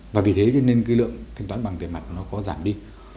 và vì thế cho nên cái lượng thanh toán bằng tiền mặt nó có giảm đi